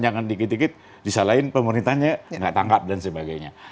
jangan dikit dikit disalahin pemerintahnya nggak tangkap dan sebagainya